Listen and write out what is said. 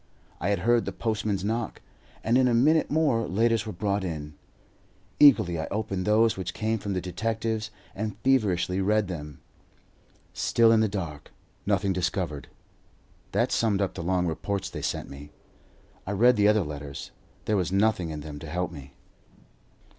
I heard the postman's knock, and in a minute more letters were brought in. Eagerly I opened those which came from the detectives, and feverishly read them. "Still in the dark; nothing discovered" that summed up the long reports they sent me. I read the other letters; there was nothing in them to help me.